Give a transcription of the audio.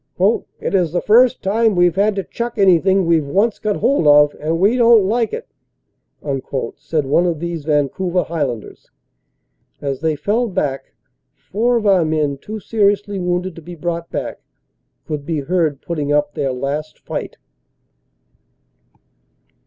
"It is the first time we ve had to chuck anything we ve once got hold of, and we don t like it," said one of these Vancouver Highlanders. As they fell back, four of our men too seriously wounded to be brought back, could be heard putting up their last fight.